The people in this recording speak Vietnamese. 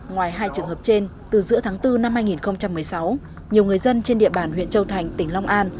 ngoài hai trường hợp trên từ giữa tháng bốn năm hai nghìn một mươi sáu nhiều người dân trên địa bàn huyện châu thành tỉnh long an